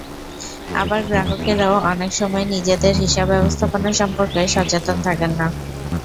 আবার গ্রাহকেরাও অনেক সময় নিজেদের হিসাব ব্যবস্থাপনা সম্পর্কে সচেতন থাকেন না।